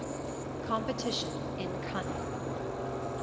Competition In Cunning.